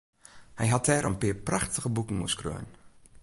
Hy hat dêr in pear prachtige boeken oer skreaun.